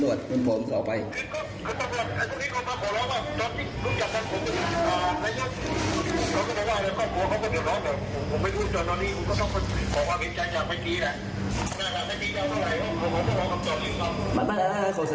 แล้วก็ถอนแจ้งความซะเถอะ